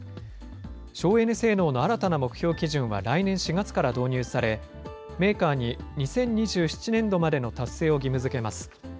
省エネ性能の新たな目標基準は来年４月から導入され、メーカーに２０２７年度までの達成を義務づけます。